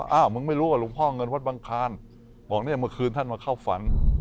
อ้าวมึงไม่รู้ว่าหลวงพ่อเงินวัดบังคารบอกเนี่ยเมื่อคืนท่านมาเข้าฝัน